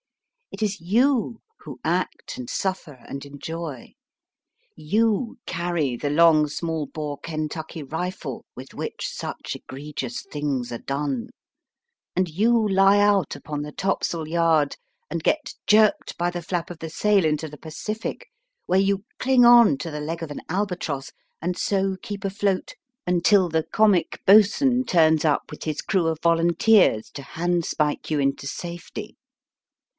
It is you who act and suffer and enjoy. You carry the long small bore Kentucky rifle with which such egregious 102 MY FIRST BOOK things arc done, and you lie out upon the topsail yard, and get jerked by the flap of the sail into the Pacific, where you cling on to the leg of an albatross, and so keep afloat until the comic boatswain turns up with his crew of volunteers to handspike you into safety.